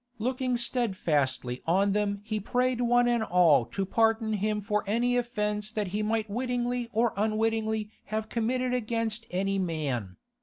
Looking steadfastly on them he prayed one and all to pardon him for any offence that he might wittingly or unwittingly have committed against any man.